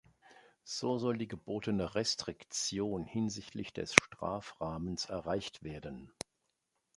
So soll die gebotene Restriktion hinsichtlich des Strafrahmens erreicht werden.